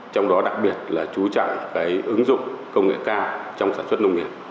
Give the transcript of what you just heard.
trong đó đặc biệt là chú trọng cái ứng dụng công nghệ cao trong sản xuất nông nghiệp